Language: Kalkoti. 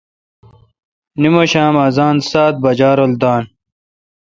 نماشام اذان سات بجا رل دان